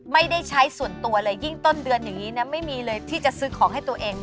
ไม่ได้ใช้ส่วนตัวเลยยิ่งต้นเดือนอย่างนี้นะไม่มีเลยที่จะซื้อของให้ตัวเอง